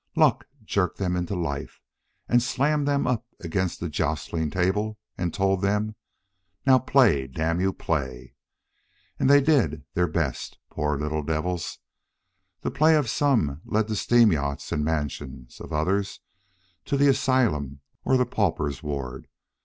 Luck jerked them into life, slammed them up against the jostling table, and told them: "Now play, damn you, play!" And they did their best, poor little devils. The play of some led to steam yachts and mansions; of others, to the asylum or the pauper's ward.